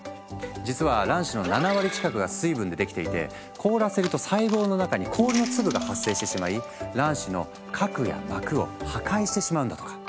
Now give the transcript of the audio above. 実は卵子の凍らせると細胞の中に氷の粒が発生してしまい卵子の核や膜を破壊してしまうんだとか。